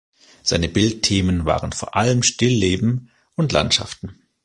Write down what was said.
Seine Bildthemen waren vor allem Stillleben und Landschaften.